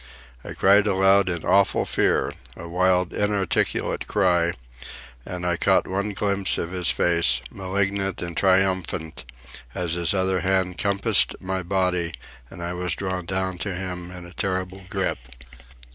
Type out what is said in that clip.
I cried aloud in awful fear, a wild inarticulate cry; and I caught one glimpse of his face, malignant and triumphant, as his other hand compassed my body and I was drawn down to him in a terrible grip.